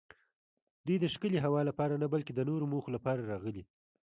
دوی د ښکلې هوا لپاره نه بلکې د نورو موخو لپاره راغلي.